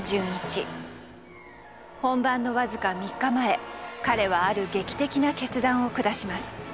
本番の僅か３日前彼はある劇的な決断を下します。